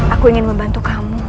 aku ingin membantu kamu